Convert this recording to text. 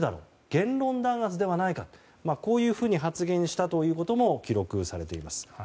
言論弾圧ではないかとこういうふうに発言したということも記録されています。